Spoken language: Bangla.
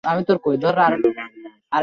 Hello, Magnus.